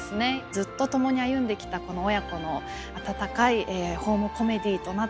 ずっと共に歩んできたこの親子の温かいホームコメディーとなってます。